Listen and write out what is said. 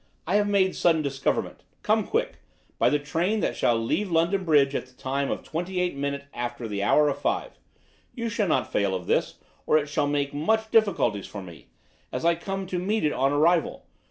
I have make sudden discoverment. Come quick, by the train that shall leave London Bridge at the time of twenty eight minute after the hour of five. You shall not fail of this, or it shall make much difficulties for me, as I come to meet it on arrival.